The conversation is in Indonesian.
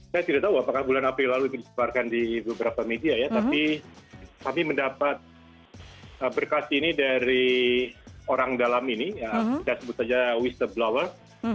saya tidak tahu apakah bulan april lalu itu disebarkan di beberapa media ya tapi kami mendapat berkas ini dari orang dalam ini ya kita sebut saja whistleblower